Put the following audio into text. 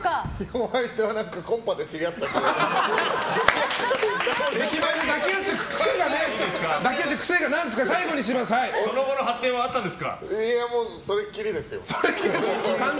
お相手はコンパで知り合った方です。